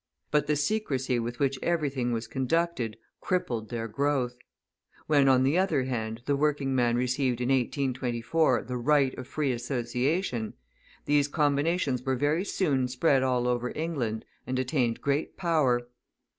But the secrecy with which everything was conducted crippled their growth. When, on the other hand, the working man received in 1824 the right of free association, these combinations were very soon spread over all England and attained great power.